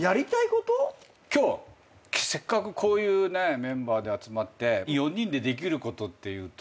今日せっかくこういうねメンバーで集まって４人でできることっていうと。